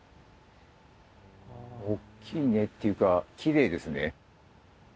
おっきいねっていうかきれいですね。